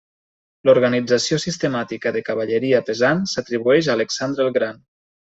L'organització sistemàtica de cavalleria pesant s'atribueix a Alexandre el Gran.